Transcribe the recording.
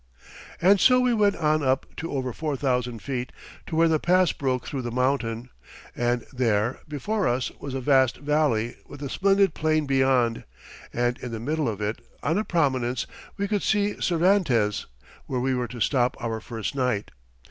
] And so we went on up to over four thousand feet, to where the pass broke through the mountain, and there before us was a vast valley with a splendid plain beyond, and in the middle of it, on a prominence, we could see Cervantes, where we were to stop our first night.